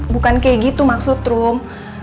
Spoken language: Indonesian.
bukan kayak gitu maksud rum